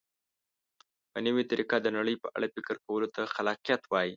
په نوې طریقه د نړۍ په اړه فکر کولو ته خلاقیت وایي.